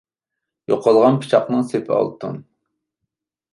يوقالغان پىچاقنىڭ سېپى ئالتۇن.